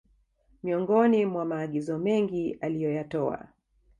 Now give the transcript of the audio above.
miongoni mwa maagizo mengi aliyoyatoa